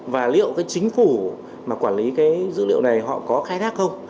và liệu cái chính phủ mà quản lý cái dữ liệu này họ có khai thác không